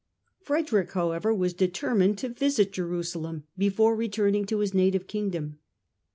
Frederick, however, was determined to visit Jerusalem before returning to his native Kingdom.